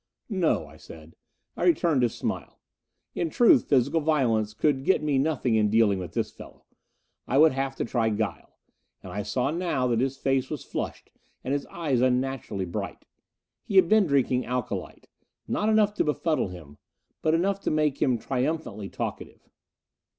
"No," I said. I returned his smile. In truth, physical violence could get me nothing in dealing with this fellow. I would have to try guile. And I saw now that his face was flushed and his eyes unnaturally bright. He had been drinking alcolite; not enough to befuddle him but enough to make him triumphantly talkative.